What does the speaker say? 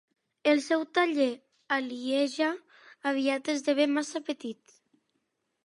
El seu taller a Lieja aviat esdevé massa petit.